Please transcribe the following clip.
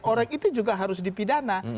orang itu juga harus dipidana